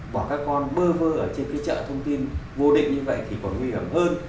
bỏ các con bơ vơ ở trên cái chợ thông tin vô định như vậy thì còn nguy hiểm hơn